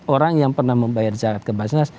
orang yang pernah membayar zakat ke basnas